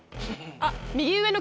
あっ右上の。